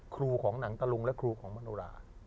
ของหนังตะลุงและครูของมโนรา